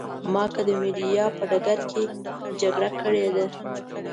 ما که د مېډیا په ډګر کې جګړه کړې ده.